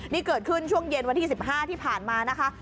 นี่เกิดขึ้นช่วงเย็นวันที่๑๕ที่ผ่านมานะคะ